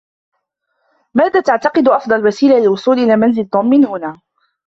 ماذا تعتقد أفضل وسيلة للوصول إلى منزل توم من هنا؟